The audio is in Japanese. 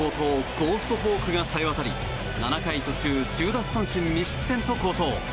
ゴーストフォークがさえ渡り７回途中１０奪三振２失点と好投。